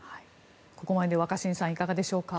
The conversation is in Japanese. ここまで若新さんいかがでしょうか。